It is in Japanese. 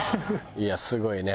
いやすごいね。